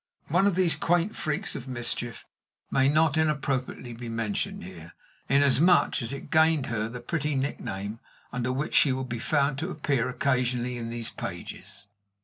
One of these quaint freaks of mischief may not inappropriately be mentioned here, inasmuch as it gained her the pretty nickname under which she will be found to appear occasionally in these pages.